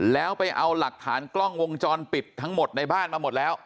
แล้วไปเอาหลักฐานกล้องวงจรปิดทั้งหมดในบ้านมาหมดแล้ว